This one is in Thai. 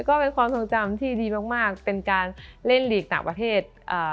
ก็เป็นความทรงจำที่ดีมากมากเป็นการเล่นหลีกต่างประเทศอ่า